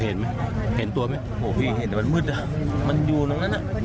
เห็นไหมเห็นตัวไหมโอ้โหพี่เห็นแต่มันมืดอ่ะมันอยู่ตรงนั้นอ่ะ